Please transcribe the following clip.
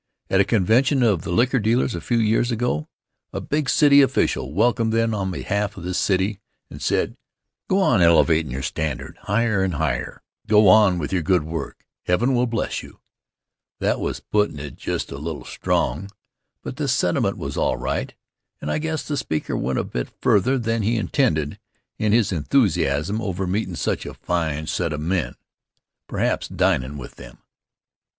At a convention of the liquor dealers a few years ago, a big city official welcomed them on behalf of the city and said: "Go on elevatin' your standard higher and higher. Go on with your good work. Heaven will bless YOU!" That was puttin' it just a little strong, but the sentiment was all right and I guess the speaker went a bit further than he intended in his enthusiasm over meetin' such a fine set of men and, perhaps, dinin' with them.